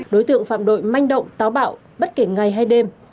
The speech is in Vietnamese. đối tượng phạm đội manh động táo bạo bất kể ngày hay đêm